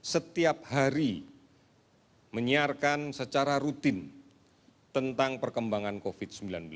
setiap hari menyiarkan secara rutin tentang perkembangan covid sembilan belas